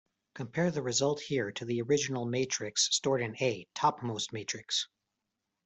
Compare the result here to the original matrix stored in A, topmost matrix.